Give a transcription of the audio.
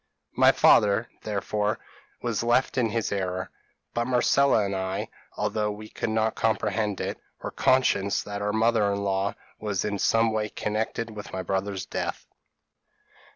p> "My father, therefore, was left in his error; but Marcella and I, although we could not comprehend it, were conscious that our mother in law was in some way connected with my brother's death.